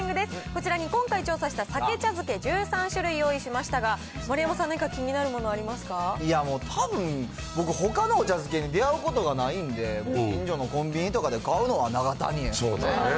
こちらに今回、調査したさけ茶漬け１３種類用意しましたが、丸山さん、何か気にたぶん、ほかのお茶漬けに出会うことがないんで、近所のコンビニとかで買うのは永谷園。